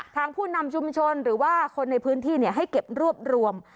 ผู้นำชุมชนหรือว่าคนในพื้นที่ให้เก็บรวบรวม